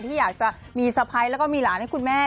ที่อยากจะมีสะพ้ายแล้วก็มีหลานให้คุณแม่